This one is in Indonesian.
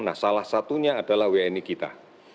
nah salah satunya adalah wni kita